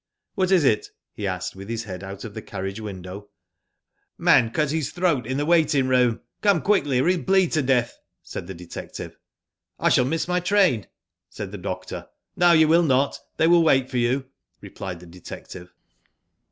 ''What is it?'* he asked, with his head out of the carriage window. *' Man cut his throat in the waiting room. Come quickly, or he will bleed to death," said the detective. " I shall miss my train," said the doctor. "No, you will not. They will wait for you," replied the detective.